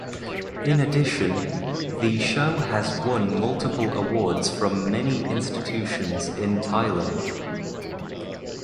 In addition, the show has won multiple awards from many institutions in Thailand.